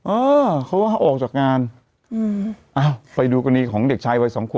เออเขาก็ให้ออกจากงานอืมอ้าวไปดูกรณีของเด็กชายวัยสองขวบ